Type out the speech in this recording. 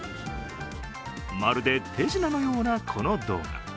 まるで手品のような、この動画。